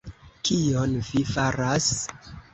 kion vi faras!